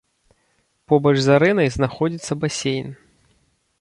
Побач з арэнай знаходзіцца басейн.